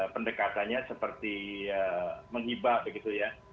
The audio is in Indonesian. pendekatannya seperti menghibah begitu ya